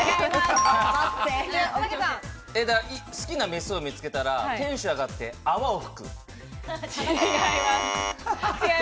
好きなメスを見つけたらテンション上がって泡を吹く。